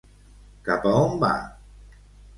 Cap a on va?